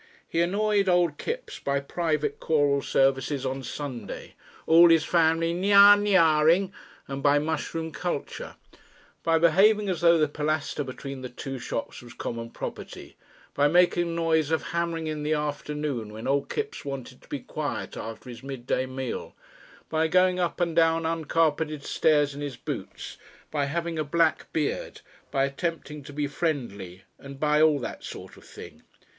He annoyed old Kipps by private choral services on Sunday, all his family "nyar, nyar ing"; and by mushroom culture; by behaving as though the pilaster between the two shops was common property; by making a noise of hammering in the afternoon, when old Kipps wanted to be quiet after his midday meal; by going up and down uncarpeted stairs in his boots; by having a black beard; by attempting to be friendly; and by all that sort of thing.